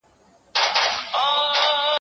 ما مخکي د سبا لپاره د هنرونو تمرين کړی وو!!